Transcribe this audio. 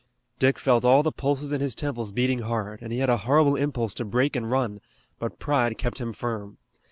Dick felt all the pulses in his temples beating hard, and he had a horrible impulse to break and run, but pride kept him firm.